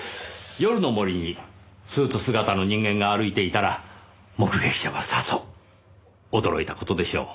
夜の森にスーツ姿の人間が歩いていたら目撃者はさぞ驚いた事でしょう。